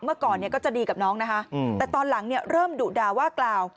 เมื่อก่อนเนี่ยก็จะดีกับน้องนะคะแต่ตอนหลังเนี่ยเริ่มดุด่าว่ากล่าว